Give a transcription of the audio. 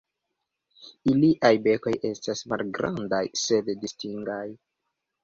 Iliaj bekoj estas malgrandaj sed distingaj.